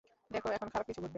দেখো এখন খারাপ কিছু ঘটবে।